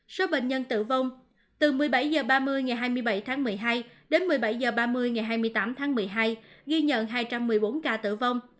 số bệnh nhân tử vong từ một mươi bảy h ba mươi ngày hai mươi bảy tháng một mươi hai đến một mươi bảy h ba mươi ngày hai mươi tám tháng một mươi hai ghi nhận hai trăm một mươi bốn ca tử vong